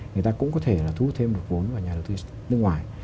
người ta cũng có thể thu thêm được vốn vào nhà đầu tư nước ngoài